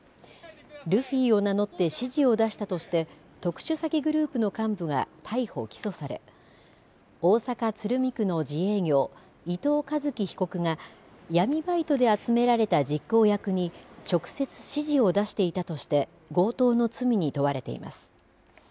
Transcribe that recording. ルフィを名乗って指示を出したとして特殊詐欺グループの幹部が逮捕・起訴され大阪・鶴見区の自営業伊藤一輝被告が闇バイトで集められた実行役に直接指示を出していたとして強盗の罪に問われています。